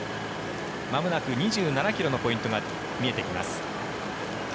まもなく２７ｋｍのポイントが見えてきます。